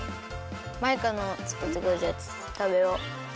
マイカのつくってくれたやつたべよう。